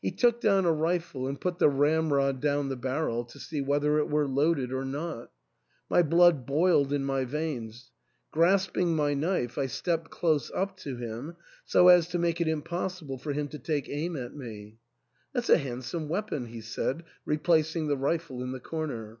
He took down a rifle and put the ramrod down the barrel to see whether it were loaded or not. My blood boiled in my veins ; grasping my knife, I stepped close up to him, so as to make it impossible for him to take aim at me. " That's a handsome weapon," he said, replacing the rifle in the corner.